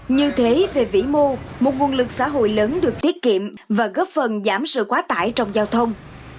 như thế về vĩ mô một nguồn lực xã hội lớn được tiết kiệm và góp phần giảm sự quá tải trong giao thông